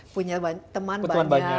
punya teman banyak